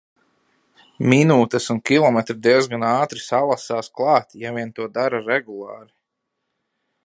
Minūtes un km diezgan ātri salasās klāt, ja vien to dara regulāri.